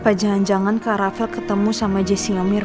apa jangan jangan kak raffel ketemu sama jessy ngamirvan